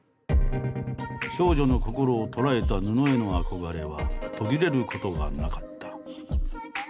少女の心を捉えた布への憧れは途切れることがなかった。